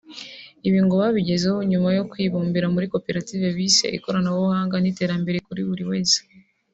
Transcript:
Ibi ngo babigezeho nyuma yo kwibumbira muri koperative bise ‘Ikoranabuhanga n’iterambere kuri buri wese’